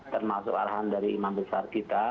termasuk arahan dari imam besar kita